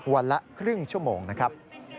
วันละครึ่งชั่วโมงนะครับ